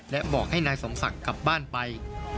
และบอกให้นายสมศักดิ์กลับบ้านไป